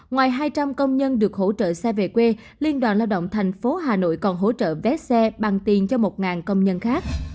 ngoài hai trăm linh công nhân được hỗ trợ xe về quê liên đoàn lao động tp hà nội còn hỗ trợ vé xe bằng tiền cho một công nhân khác